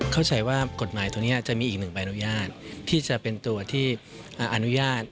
เข้าใจว่ากฎหมายตัวนี้จะมีอีกหนึ่งใบอนุญาตที่จะเป็นตัวที่อนุญาต